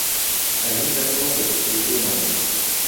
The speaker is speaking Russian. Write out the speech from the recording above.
Они готовы, придуманы.